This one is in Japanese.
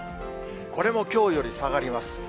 これもきょうより下がります。